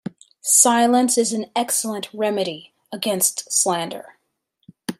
Silence is an excellent remedy against slander.